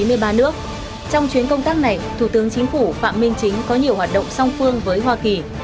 trong chuyến công tác này thủ tướng chính phủ phạm minh chính có nhiều hoạt động song phương với hoa kỳ